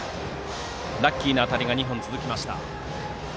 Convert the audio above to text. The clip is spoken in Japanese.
ラッキーな当たりが２本続きました。